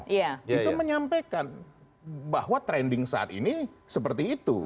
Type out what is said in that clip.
itu menyampaikan bahwa trending saat ini seperti itu